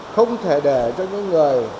không thể để cho những người